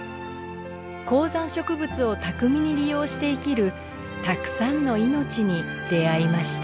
高山植物を巧みに利用して生きるたくさんの命に出会いました。